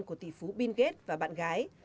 của tỷ phú binh ghét và bạn gái